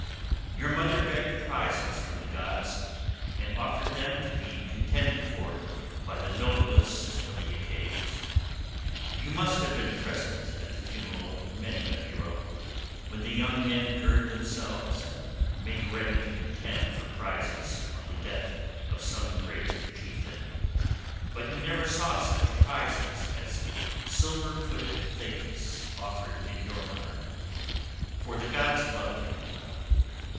Your mother begged prizes from the gods, and offered them to be contended for by the noblest of the Achaeans. You must have been present at the funeral of many a hero, when the young men gird themselves and make ready to contend for prizes on the death of some great chieftain, but you never saw such prizes as silver footed Thetis offered in your honour; for the gods loved you well.